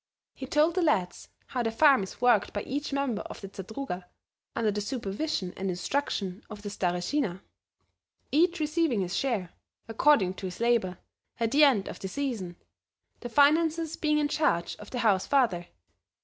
He told the lads how the farm is worked by each member of the Zadruga under the supervision and instruction of the Stareshina, each receiving his share, according to his labor, at the end of the season, the finances being in charge of the House father.